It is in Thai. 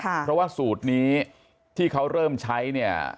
เพราะว่าสูตรนี้ที่เขาเริ่มใช้เนี่ย